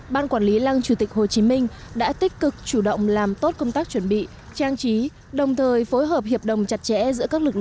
ban quản lý lăng chủ tịch hồ chí minh đã tích cực chủ động làm tốt công tác chuẩn bị trang trí